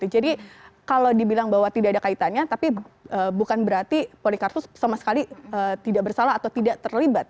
jadi kalau dibilang bahwa tidak ada kaitannya tapi bukan berarti polikarpus sama sekali tidak bersalah atau tidak terlibat